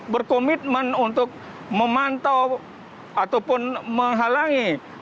berkomitmen untuk memantau ataupun menghalangi